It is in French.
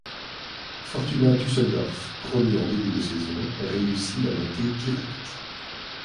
Fortuna Düsseldorf promu en début de saison réussit la montée directe.